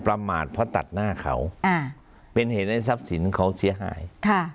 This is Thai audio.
ประมาทเพราะตัดหน้าเขาอ่าเป็นเหตุให้ทรัพย์สินเขาเสียหายค่ะ